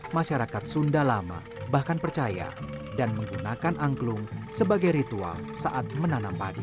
masyarakat sunda lama bahkan percaya dan menggunakan angklung sebagai ritual saat menanam padi